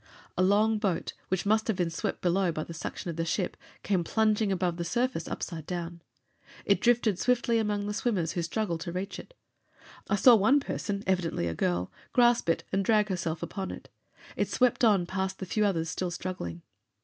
A long boat, which must have been swept below by the suction of the ship, came plunging above the surface, upside down. It drifted swiftly among the swimmers, who struggled to reach it. I saw one person, evidently a girl, grasp it and drag herself upon it. It swept on past the few others still struggling.